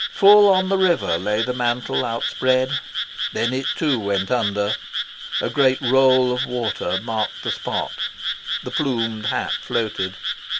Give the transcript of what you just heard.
Full on the river lay the mantle outspread. Then it, too, went under. A great roll of water marked the spot. The plumed hat floated.